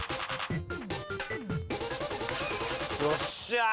よっしゃ！